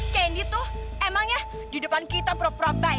candi tuh emangnya di depan kita pro pro baik